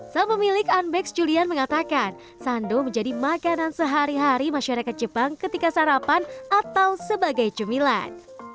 sahabat pemilik unbaked julian mengatakan sandow menjadi makanan sehari hari masyarakat jepang ketika sarapan atau sebagai cumilan